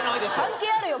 関係あるよ